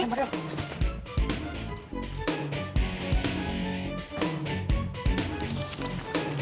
apaan sih lo colek colek